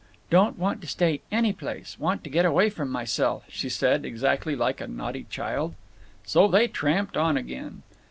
Don't want to stay any place. Want to get away from myself," she said, exactly like a naughty child. So they tramped on again.